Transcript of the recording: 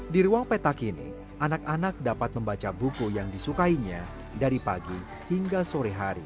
di ruang petak ini anak anak dapat membaca buku yang disukainya dari pagi hingga sore hari